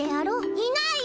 いないよ！